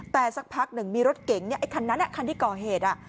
แต่สักพักหนึ่งมีรถเก๋งคันนั้นคันที่ก่อเหตุ